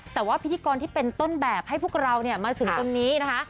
แต่ว่าพิธีกรที่เป็นต้นแบบให้พวกเรามาถึงตรงนี้นะคะ